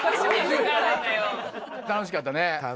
楽しかったね。